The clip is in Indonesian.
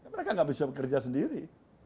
mereka nggak bisa bekerja sendiri